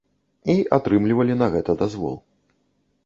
І атрымлівалі на гэта дазвол.